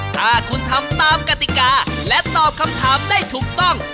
ถ้าคุณทำตามกติกาและตอบคำถามได้ถูกต้อง